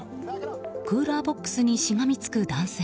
クーラーボックスにしがみつく男性。